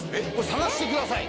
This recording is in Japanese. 探してください